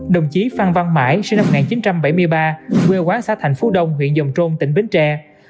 đồng chí phan văn mãi sinh năm một nghìn chín trăm bảy mươi ba quê quán xã thành phú đông huyện dòng trôn tỉnh bến tre